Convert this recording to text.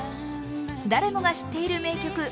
誰もが知っている名曲